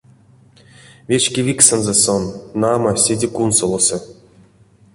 Вечкевиксэнзэ сон, нама, седе кунсолосы.